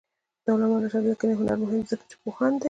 د علامه رشاد لیکنی هنر مهم دی ځکه چې پوهاند دی.